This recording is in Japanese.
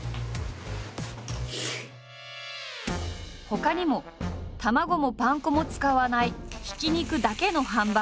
ほかにも卵もパン粉も使わないひき肉だけのハンバーグ。